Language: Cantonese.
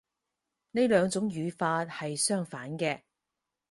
呢兩種語法係相反嘅